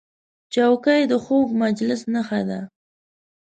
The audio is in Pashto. چوکۍ د خوږ مجلس نښه ده.